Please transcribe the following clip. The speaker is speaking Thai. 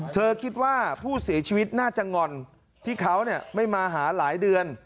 เธอคิดว่าผู้เสียชีวิตน่าจะงอนที่เขาไม่มาหาหลายเดือน